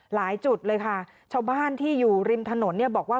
หลายจุดเลยค่ะชาวบ้านที่อยู่ริมถนนเนี่ยบอกว่า